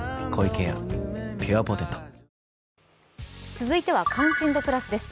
続いては「関心度プラス」です。